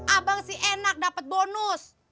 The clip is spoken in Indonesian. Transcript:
abang sih enak dapat bonus